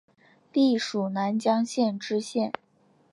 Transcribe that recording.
历署南江县知县。